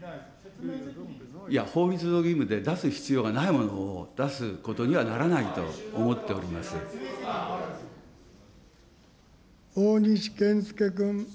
法律上の義務で、出す必要がないものを出すことにはならないと思大西健介君。